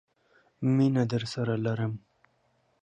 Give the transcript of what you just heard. مینه درسره لرم!